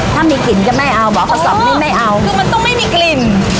ถ้ามีกลิ่นจะไม่เอาเหรอกระสอบนี้ไม่เอาคือมันต้องไม่มีกลิ่น